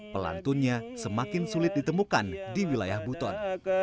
pelantunnya semakin sulit ditemukan di wilayah buton